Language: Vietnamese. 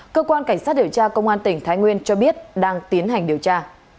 cơ quan cảnh sát điều tra công an tỉnh thái nguyên cho biết đang tiến hành điều tra